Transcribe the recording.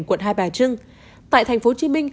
quận hai bà trưng tại tp hcm